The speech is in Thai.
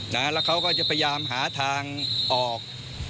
แล้วเขาก็จะพยายามหาทางออก